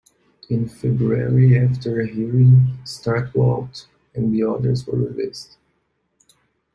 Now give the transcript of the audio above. In February, after a hearing, Swartwout and the others were released.